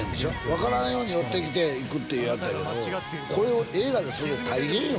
分からんように寄ってきていくっていうやつやけどこれを映画でするの大変よ